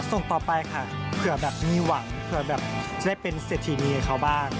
ส่งต่อไปค่ะเผื่อแบบมีหวังเผื่อแบบจะได้เป็นเศรษฐีนีให้เขาบ้าง